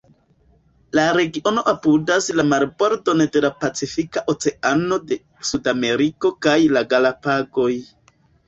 La regiono apudas la marbordon de la Pacifika Oceano de Sudameriko kaj la Galapagoj.